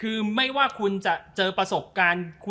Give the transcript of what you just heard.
คือไม่ว่าคุณจะเจอประสบการณ์